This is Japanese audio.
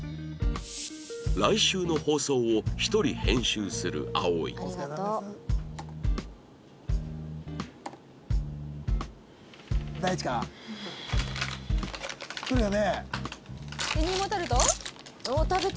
来週の放送を一人編集する葵来るよね？